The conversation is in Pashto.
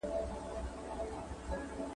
څه ډول د راتلونکي لپاره غوره پلانونه جوړ کړو؟